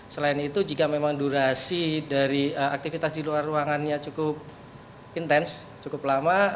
selain itu jika memang durasi dari aktivitas di luar ruangannya cukup intens cukup lama